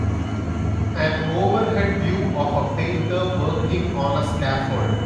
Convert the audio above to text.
an overhead view of a painter working on a scaffold.